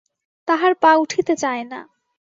তাহার পা উঠিতে চায় না।